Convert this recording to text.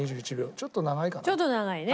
ちょっと長いね。